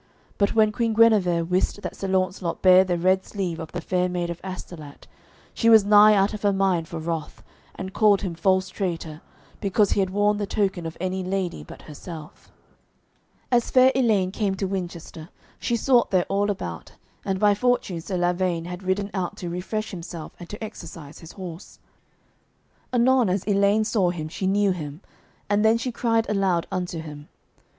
But when Queen Guenever wist that Sir Launcelot bare the red sleeve of the Fair Maid of Astolat, she was nigh out of her mind for wrath, and called him false traitor, because he had worn the token of any lady but herself. As fair Elaine came to Winchester, she sought there all about, and by fortune Sir Lavaine had ridden out to refresh himself and to exercise his horse. Anon as Elaine saw him she knew him, and then she cried aloud unto him.